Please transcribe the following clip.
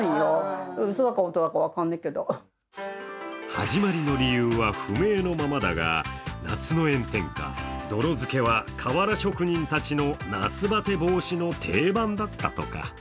始まりの理由は不明のままだが夏の炎天下、泥漬けは瓦職人たちの夏バテ防止の定番だったとか。